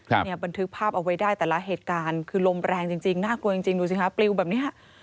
เนี่ยบันทึกภาพเอาไว้ได้แต่ละเหตุการณ์คือลมแรงจริงจริงน่ากลัวจริงจริงดูสิคะปลิวแบบเนี้ย